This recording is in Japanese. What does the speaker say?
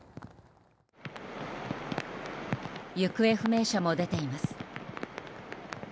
行方不明者も出ています。